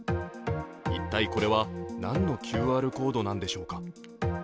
一体これは何のＱＲコードなんでしょうか。